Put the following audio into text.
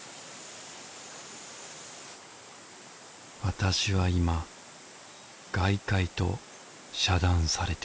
私は今外界と遮断されている